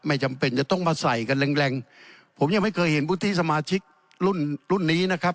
จำเป็นจะต้องมาใส่กันแรงแรงผมยังไม่เคยเห็นวุฒิสมาชิกรุ่นรุ่นนี้นะครับ